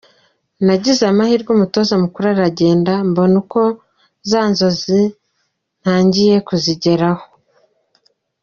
Nagize amahirwe umutoza mukuru aragenda mbona ko za nzozi ntangiye kuzigeraho.